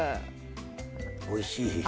おいしい。